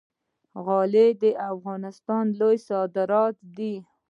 غالۍ د افغانستان لوی صادرات دي